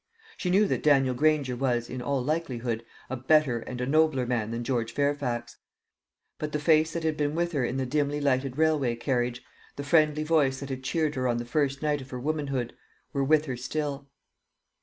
She knew that Daniel Granger was, in all likelihood, a better and a nobler man than George Fairfax; but the face that had been with her in the dimly lighted railway carriage, the friendly voice that had cheered her on the first night of her womanhood, were with her still.